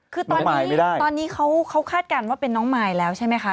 คือตอนนี้เขาคาดการณ์ว่าเป็นน้องมายแล้วใช่ไหมคะ